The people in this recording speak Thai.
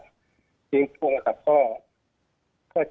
พิธีผู้กรับพอ